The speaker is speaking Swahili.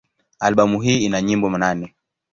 Albamu hii ina nyimbo nane.